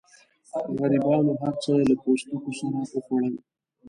غریبانو هرڅه له پوستکو سره وخوړل.